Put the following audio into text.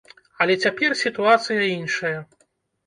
Але цяпер сітуацыя іншая.